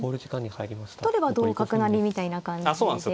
取れば同角成みたいな感じで。